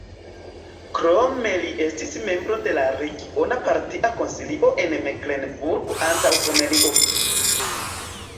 Krome li estis membro de la regiona partia konsilio en Meklenburgo-Antaŭpomerio.